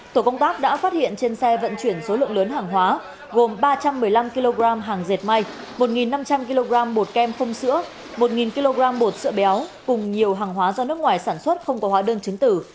tổ công tác đã phát hiện trên xe vận chuyển số lượng lớn hàng hóa gồm ba trăm một mươi năm kg hàng dệt may một năm trăm linh kg bột kem không sữa một kg bột sữa béo cùng nhiều hàng hóa do nước ngoài sản xuất không có hóa đơn chứng tử